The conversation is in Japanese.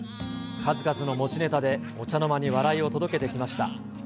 数々の持ちネタで、お茶の間に笑いを届けてきました。